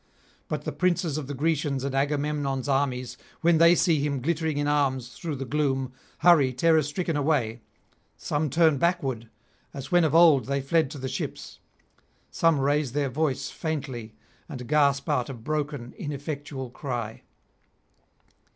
But the princes of the Grecians and Agamemnon's armies, when they see him glittering in arms through the gloom, hurry terror stricken away; some turn backward, as when of old they fled to the ships; some raise their voice faintly, and gasp out a broken ineffectual cry.